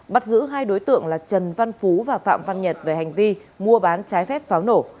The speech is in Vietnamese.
bắt giữ hai đối tượng là trần văn phú và phạm văn nhật về hành vi mua bán trái phép pháo nổ